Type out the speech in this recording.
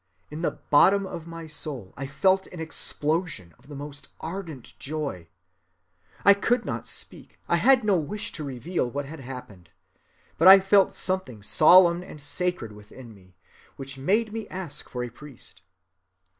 In the bottom of my soul I felt an explosion of the most ardent joy; I could not speak; I had no wish to reveal what had happened. But I felt something solemn and sacred within me which made me ask for a priest.